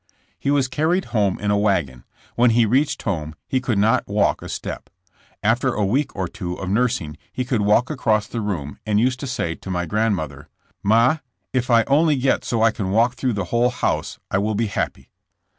He was carried home in a wagon. When he reached home he could not walk a step. After a week or two of nursing he could walk across the room and used to say to my grandmother : "Ma, if I only get so I can walk through the whole house I will be happy.